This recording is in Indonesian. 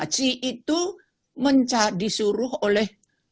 chi itu mencah disuruh oleh